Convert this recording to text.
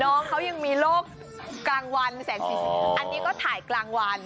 น้องเขายังมีโรคกลางวันแสงสีเสียงอันนี้ก็ถ่ายกลางวัน